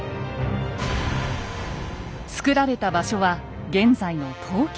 つくられた場所は現在の東京・中野区。